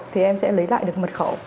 thì em sẽ lấy lại được mật khẩu